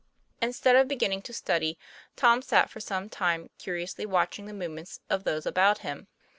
Instead of beginning to study, Tom sat for some time curiously watching the movements of those about him.